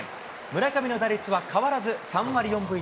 村上の打率は変わらず３割４分１厘。